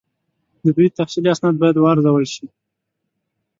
د دوی تحصیلي اسناد باید وارزول شي.